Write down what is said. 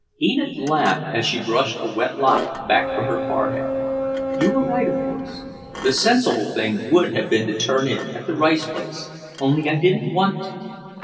Enid laughed as she brushed a wet lock back from her forehead. "You were right, of course; the sensible thing would have been to turn in at the Rice place; only I didn't want to."